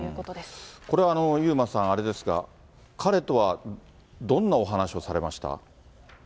これは遊馬さん、あれですか、彼とはどんなお話をされました？